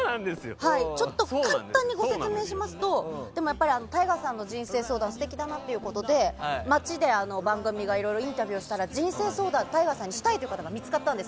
簡単にご説明しますとやっぱりＴＡＩＧＡさんの人生相談、素敵だなということで街で番組がいろいろインタビューしたら人生相談、ＴＡＩＧＡさんにしたいって人が見つかったんです。